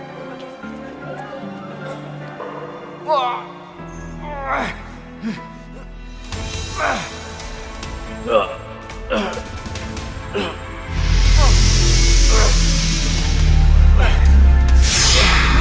kami memang masih lemah